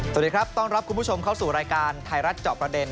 สวัสดีครับต้อนรับคุณผู้ชมเข้าสู่รายการไทยรัฐเจาะประเด็น